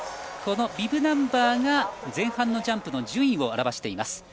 ビブナンバーが前半のジャンプの順位を表しています。